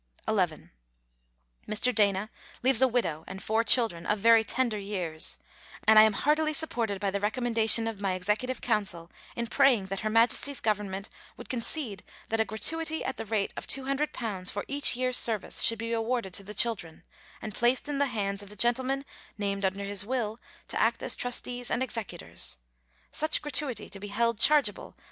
11. Mr. Dana leaves a widow and four children of very tender years, and I am heartily supported by the recommendation of my Executive Council in praying that Her Majesty's Government would concede that a gratuity at the rate of two hundred pounds for each year's service should be awarded to the children, and placed in the hands of the gentlemen named under his will to act as trustees and executors, such gratuity to be held chargeable Letters from Victorian Pioneers.